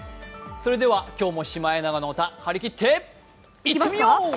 それでは今日も「シマエナガの歌」今日も張り切っていってみよう！